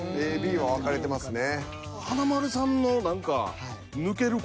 ＡＢは分かれてますね。